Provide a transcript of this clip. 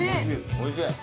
おいしい。